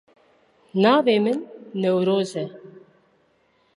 Navê min Newroz e.